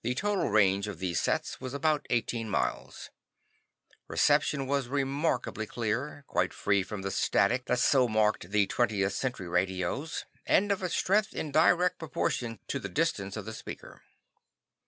The total range of these sets was about eighteen miles. Reception was remarkably clear, quite free from the static that so marked the 20th Century radios, and of a strength in direct proportion to the distance of the speaker.